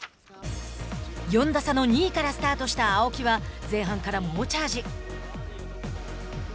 ４打差の２位からスタートした青木は、前半から猛チャージ。